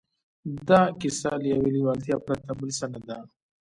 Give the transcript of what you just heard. دا کیسه له یوې لېوالتیا پرته بل څه نه ده